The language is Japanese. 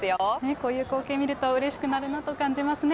こういう光景見ると、うれしくなると感じますね。